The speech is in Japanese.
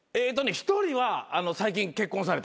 １人は最近結婚された。